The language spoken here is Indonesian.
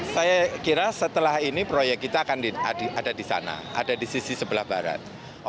saya kira setelah ini proyek kita akan ada di sana ada di sisi sebelah barat